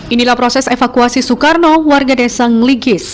inilah proses evakuasi soekarno warga desa ngeligis